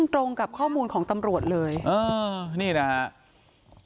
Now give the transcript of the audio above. ตรงกับข้อมูลของตำรวจเลยเออนี่นะครับ